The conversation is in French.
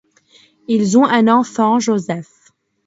Ils ont un enfant, Joseph.